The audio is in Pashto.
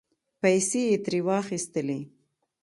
پیسې یې ترې واخستلې